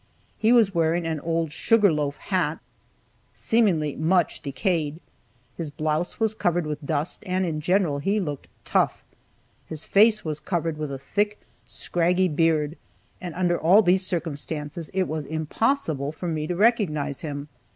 He was wearing an old "sugar loaf" hat, seemingly much decayed, his blouse was covered with dust, and, in general, he looked tough. His face was covered with a thick, scraggy beard, and under all these circumstances it was impossible for me to recognize him.